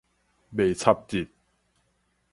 袂插得